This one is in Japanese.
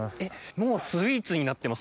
もうスイーツになってます